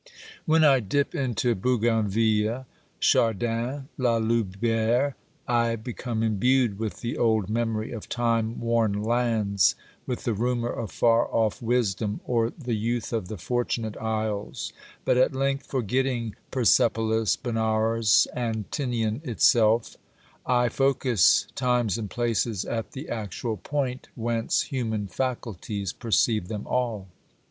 When I dip into Bougainville, Chardin, Laloubcre, I be come imbued with the old memory of lime worn lands, with the rumour of far off wisdom, or the youth of the fortunate isles ; but at length forgetting Persepolis, Benares and . I| Tinian itself, I focus times and places at the actual point whence human faculties perceive them all.